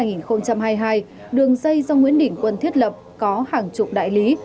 đường dây do nguyễn đỉnh quân thiết lập có hàng chục đại lý